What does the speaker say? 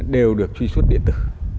đều được truy xuất điện tử